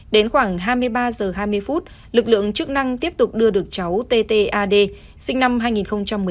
đến khoảng hai mươi ba h hai mươi lực lượng chức năng tiếp tục đưa được cháu ttad sinh năm hai nghìn một mươi chín